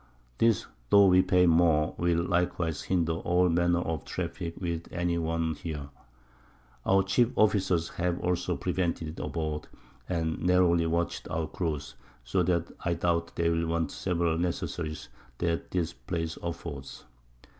This, tho' we pay more, will likewise hinder all manner of Traffick with any one here. Our chief [Sidenote: Transactions at Batavia.] Officers have also prevented it aboard, and narrowly watch our Crews; so that I doubt they'll want several Necessaries that this Place affords.